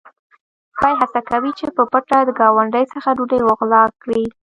سپی هڅه کوي چې په پټه د ګاونډي څخه ډوډۍ وغلا کړي.